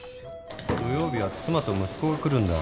土曜日は妻と息子が来るんだ。